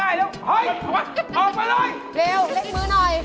ออกมาเลยเร็วเร่งมือหน่อย